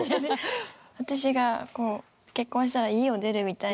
私が結婚したら家を出るみたいな。